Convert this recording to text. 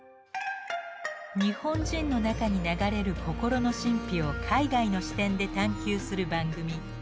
日本人の中に流れる「心の神秘」を海外の視点で探究する番組。